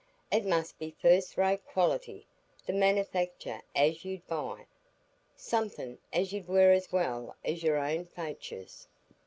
It must be first rate quality, the manifactur as you'd buy,—summat as 'ud wear as well as your own faitures."